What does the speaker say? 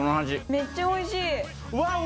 めっちゃおいしい。